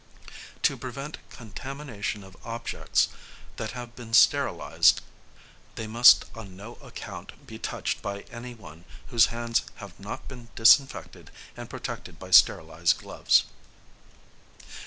To prevent contamination of objects that have been sterilised they must on no account be touched by any one whose hands have not been disinfected and protected by sterilised gloves.